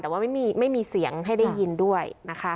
แต่ว่าไม่มีเสียงให้ได้ยินด้วยนะคะ